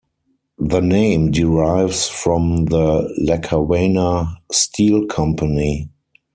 The name derives from the Lackawanna Steel Company.